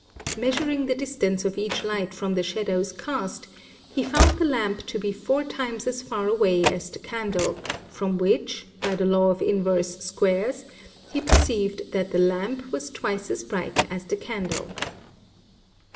Measuring the distance of each light from the shadows cast, he found the lamp to be four times as far away as the candle, from which, by the law of inverse squares, he perceived that the lamp was twice as bright as the candle.